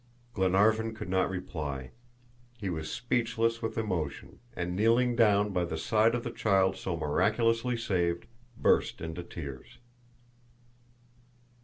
Glenarvan could not reply. He was speechless with emotion, and kneeling down by the side of the child so miraculously saved, burst into tears.